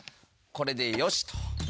これでよしっと！